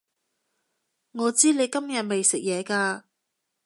我知你今日未食嘢㗎